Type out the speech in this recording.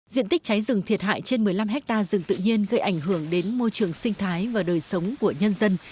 diện tích cháy rừng thiệt hại trên một mươi năm hectare rừng tự nhiên gây ảnh hưởng đến môi trường sinh thái và đời sống của nhân dân